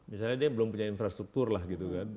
misalnya dia belum punya infrastruktur lah gitu kan